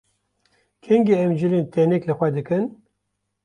Kengî em cilên tenik li xwe dikin?